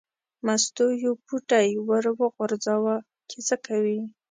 مستو یو پوټی ور وغورځاوه چې څه کوي.